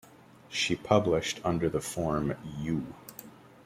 She published under the form U.